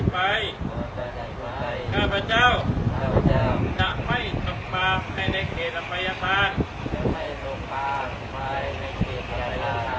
ไม่ดื่มเหล้าในเขตวัดไม่ดื่มเหล้าในเขตวัดปิดคำสัญญาณ